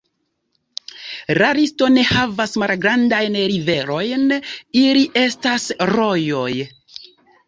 La listo ne havas malgrandajn riverojn, ili estas rojoj.